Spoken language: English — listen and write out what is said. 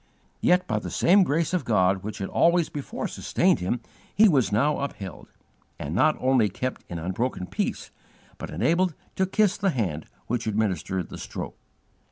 Yet by the same grace of God which had always before sustained him he was now upheld, and not only kept in unbroken peace, but enabled to "kiss the Hand which administered the stroke."